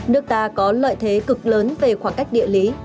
nước ta có lợi thế cực lớn về khoảng cách địa lý